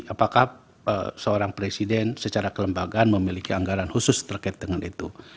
apakah seorang presiden secara kelembagaan memiliki anggaran khusus terkait dengan itu